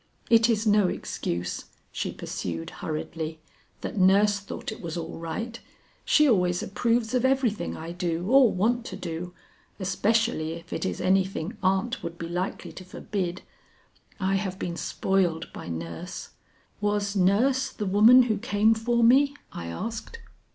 It is no excuse," she pursued hurriedly, "that nurse thought it was all right. She always approves of everything I do or want to do, especially if it is anything aunt would be likely to forbid. I have been spoiled by nurse." "Was nurse the woman who came for me?" I asked.